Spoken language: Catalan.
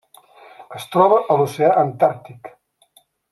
Es troba a l'Oceà Antàrtic.